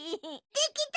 できた！